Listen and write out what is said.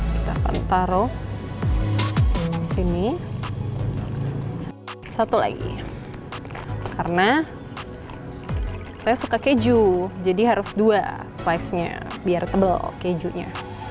kita akan taruh sini satu lagi karena saya suka keju jadi harus dua slice nya biar tebel kejunya